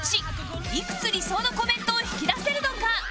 いくつ理想のコメントを引き出せるのか？